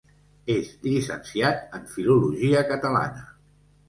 És llicenciat en filologia catalana.